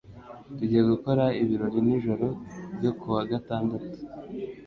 Tugiye gukora ibirori nijoro ryo kuwa gatandatu.